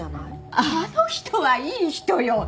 あの人はいい人よ。